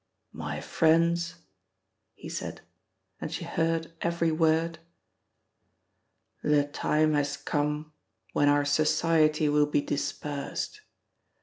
"My friends," he said, and she heard every word, "the time has come when our society will be dispersed.